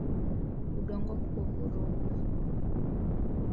Udongo kuvurugwa